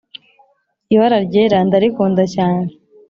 ibara ryera ndarikunda cyane